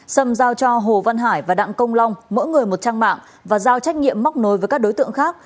sâm giao cho hồ văn hải và đặng công long mỗi người một trang mạng và giao trách nhiệm móc nối với các đối tượng khác